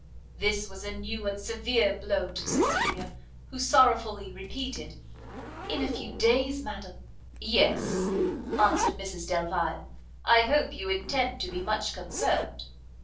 This was a new and severe blow to Cecilia, who sorrowfully repeated "In a few days, madam?" "Yes," answered Mrs Delvile, "I hope you intend to be much concerned?"